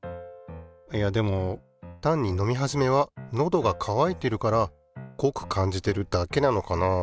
いやでも単に飲みはじめはのどがかわいてるから濃く感じてるだけなのかなあ。